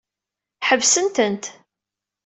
Ḥebset-tent.